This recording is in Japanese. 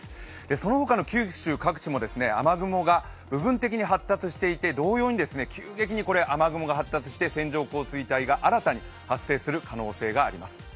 そのほかの九州各地も雨雲が部分的に発達していて同様に急激に雨雲が発達して、線状降水帯が新たに発生する可能性があります。